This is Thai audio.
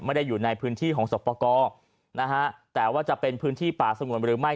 ไม่ได้อยู่ในพื้นที่ของศพกแต่ว่าจะเป็นพื้นที่ป่าสงวนหรือไม่